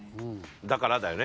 だからだよね。